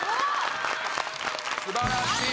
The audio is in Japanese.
素晴らしい。